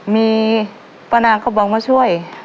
มีป้านางก็บอกมาช่วย